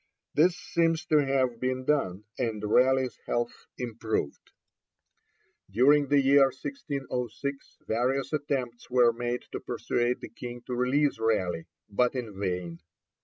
This seems to have been done, and Raleigh's health improved. During the year 1606 various attempts were made to persuade the King to release Raleigh, but in vain.